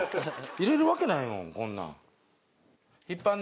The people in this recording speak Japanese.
入れられるわけないもんこんなん。